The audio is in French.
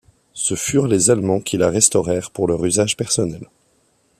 Ce furent les Allemands qui la restaurèrent pour leur usage personnel.